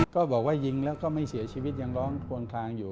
ก็บอกว่ายิงแล้วก็ไม่เสียชีวิตยังร้องควนคลางอยู่